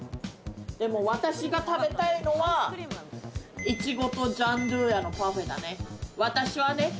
でも私が食べたいのはいちごとジャンドゥーヤのパフェだね、私はね。